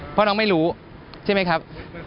เพราะน้องไม่รู้ใช่ไหมครับ